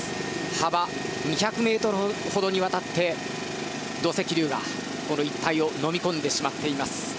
幅２００ｍほどにわたって土石流がこの一帯をのみ込んでしまっています。